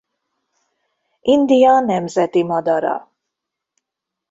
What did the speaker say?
India nemzeti madara.